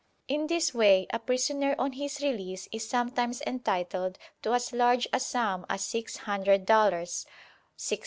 In this way a prisoner on his release is sometimes entitled to as large a sum as six hundred dollars (£60).